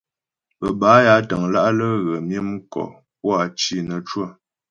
Bə́ bâ ya təŋlǎ' á ghə myə mkɔ puá cì nə́ cwə.